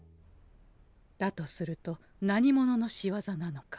だとすると何者のしわざなのか。